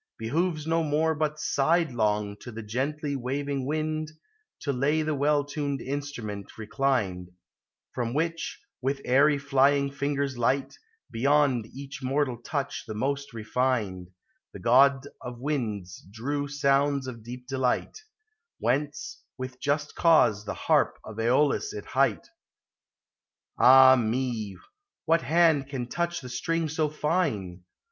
Behooves no more, But sidelong, to the gently waving wind, To lay the well tuned instrument reclined ; From which, with airy flying fingers light, Beyond each mortal touch the most refined, The god of winds drew sounds of deep delight : Whence, with just cause, the harp of iEolus it hight. Ah me ! what hand can touch the string so fine